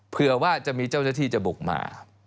เผื่อว่าจะมีเจ้าหน้าที่จะบุกมา